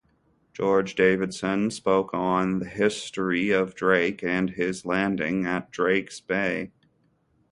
George Davidson spoke on the history of Drake and his landing at Drakes Bay.